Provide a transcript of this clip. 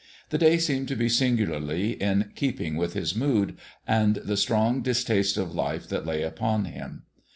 The day seemed to be singularly in keeping with his mood and the strong distaste of life that lay upon him.